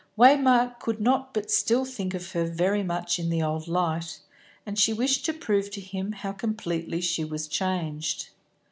Waymark could not but still think of her very much in the old light, and she wished to prove to him how completely she was changed.